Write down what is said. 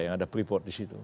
yang ada pre port di situ